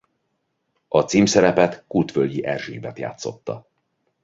A címszerepet Kútvölgyi Erzsébet játszotta.